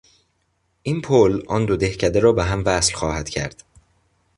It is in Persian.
این پل آن دو دهکده را بههم وصل خواهد کرد.